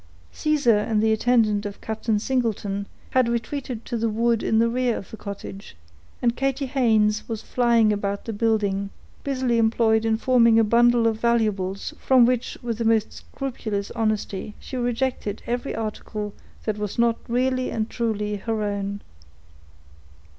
Caesar and the attendant of Captain Singleton, had retreated to the wood in the rear of the cottage, and Katy Haynes was flying about the building, busily employed in forming a bundle of valuables, from which, with the most scrupulous honesty, she rejected every article that was not really and truly her own.